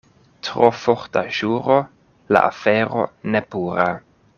Tro forta ĵuro — la afero ne pura.